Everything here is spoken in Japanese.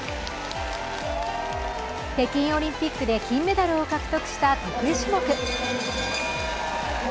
北京オリンピックで金メダルを獲得した得意種目。